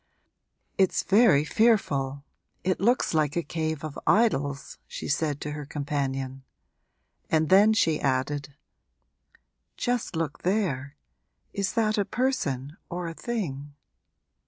'It's very fearful it looks like a cave of idols!' she said to her companion; and then she added 'Just look there is that a person or a thing?'